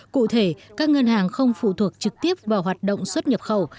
cụ thể các ngân hàng không phụ thuộc trực tiếp vào hoạt động xuất nhập khẩu